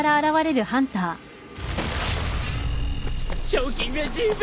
賞金は十分！